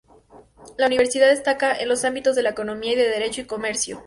La Universidad destaca en los ámbitos de la economía y de Derecho y Comercio.